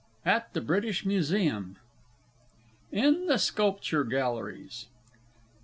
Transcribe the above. AT THE BRITISH MUSEUM. IN THE SCULPTURE GALLERIES.